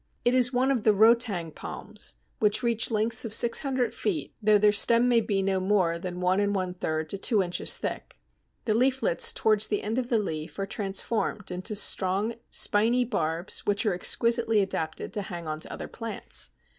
It is one of the rotang palms which reach lengths of 600 feet, though their stem may be no more than 1 1/3 to 2 inches thick. The leaflets towards the end of the leaf are transformed into strong spiny barbs which are exquisitely adapted to hang on to other plants.